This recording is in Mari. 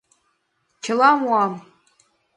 Чыла муам!